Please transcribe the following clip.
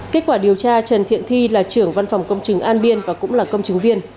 kết quả điều tra trần thiện thi là trưởng văn phòng công chứng an biên và cũng là công chứng viên